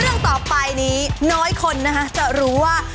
เรื่องต่อไปนี้น้อยคนนะคะจะรู้ว่า